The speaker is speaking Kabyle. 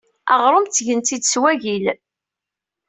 Aɣrum ttgen-t-id s wagil.